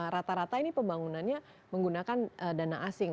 rata rata ini pembangunannya menggunakan dana asing